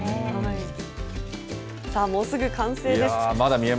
さあ、もうすぐ完成です。